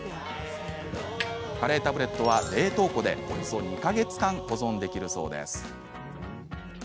カレータブレットは冷凍庫でおよそ２か月間保存できるそうです。